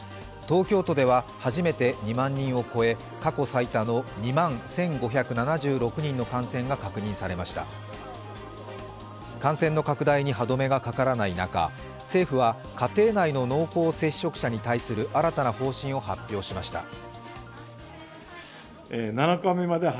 東京都では初めて２万人を超え、過去最多の２万１５７６人の感染が確認されました感染の拡大に歯止めがかからない中政府は家庭内の濃厚接触者に対する新たな方針を発表しました。